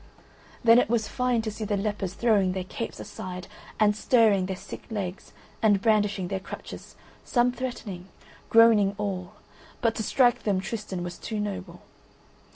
Then it was fine to see the lepers throwing their capes aside, and stirring their sick legs, and brandishing their crutches, some threatening: groaning all; but to strike them Tristan was too noble.